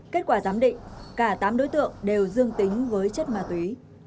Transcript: kết quả giám định cả tám đối tượng đều dương tính với chất ma túy